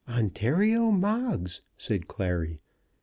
"Ontario Moggs!" said Clary.